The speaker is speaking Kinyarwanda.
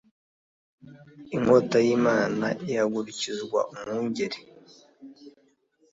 Inkota y Imana ihagurukirizwa umwungeri